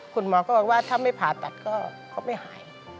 คุณหมอก็บอกว่าถ้าไม่ผ่าตัดก็ไม่หาย